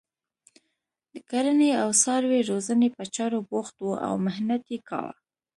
د کرنې او څاروي روزنې په چارو بوخت وو او محنت یې کاوه.